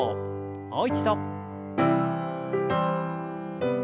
もう一度。